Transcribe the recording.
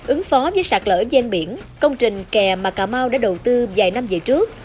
ứng phó với sạt lỡ gian biển công trình kè mà cà mau đã đầu tư vài năm về trước